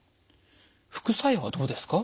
副作用はどうですか？